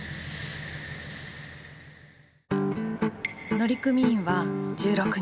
乗組員は１６人。